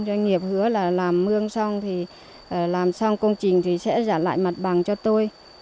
doanh nghiệp hứa là làm mương xong thì làm xong công trình thì sẽ giả lại mặt bằng cho tôi